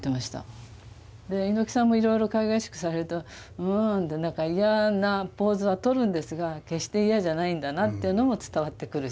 猪木さんもいろいろかいがいしくされると「うん」ってなんか嫌なポーズはとるんですが決して嫌じゃないんだなっていうのも伝わってくるし。